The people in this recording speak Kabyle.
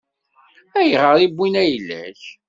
Ayɣer i wwin ayla-k?